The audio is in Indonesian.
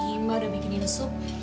iya mbak udah bikinin sup